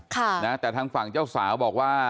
ค่ะนะแต่ทางฝั่งเจ้าสาวบอกว่า